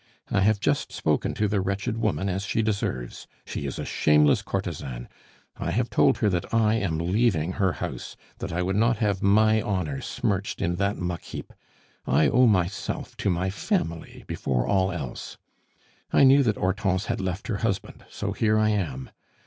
I have just spoken to the wretched woman as she deserves. She is a shameless courtesan; I have told her that I am leaving her house, that I would not have my honor smirched in that muck heap. I owe myself to my family before all else. "I knew that Hortense had left her husband, so here I am.